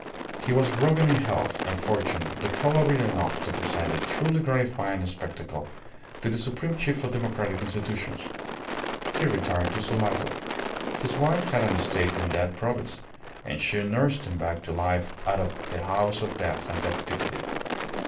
He was broken in health and fortune deplorably enough to present a truly gratifying spectacle to the supreme chief of democratic institutions. He retired to Sulaco. His wife had an estate in that province, and she nursed him back to life out of the house of death and captivity.